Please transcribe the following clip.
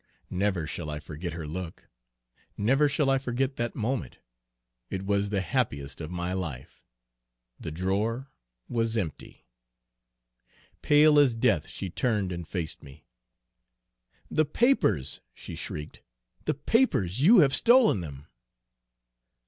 Never shall I forget her look, never shall I forget that moment; it was the happiest of my life. The drawer was empty! "Pale as death she turned and faced me. "'The papers!' she shrieked, 'the papers! You have stolen them!'